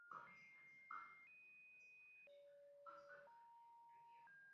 Como ejemplo destacado de Alemania, se puede mencionar a Lucas Cranach el Viejo.